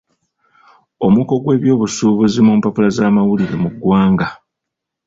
Omuko gw'eby'obusuubuzi mu mpapula z'amawulire mu ggwanga.